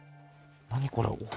何これ？